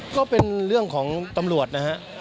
ก็เป็นเรื่องของตำรวจนะฮะ